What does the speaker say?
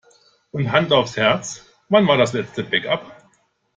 Hand aufs Herz: Wann war das letzte Backup?